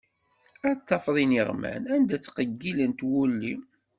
Ad tafeḍ iniɣman, anda ttqeggilent wulli.